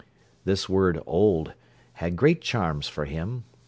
This word Old had great charms for him.